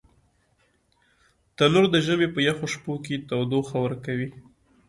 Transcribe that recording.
تنور د ژمي په یخو شپو کې تودوخه ورکوي